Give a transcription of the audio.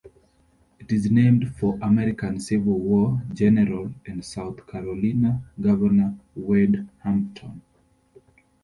It is named for American Civil War general and South Carolina governor Wade Hampton.